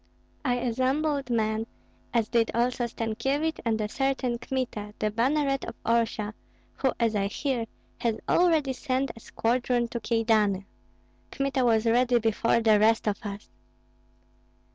I assembled men, as did also Stankyevich and a certain Kmita, the banneret of Orsha, who, as I hear, has already sent a squadron to Kyedani. Kmita was ready before the rest of us."